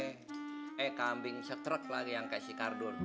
kayak kambing sektrek lagi yang kaya si karun